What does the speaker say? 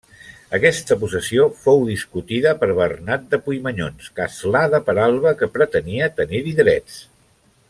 Aquesta possessió fou discutida per Bernat de Puimanyons, castlà de Peralba que pretenia tenir-hi drets.